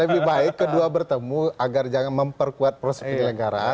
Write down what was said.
lebih baik kedua bertemu agar jangan memperkuat proses penyelenggaraan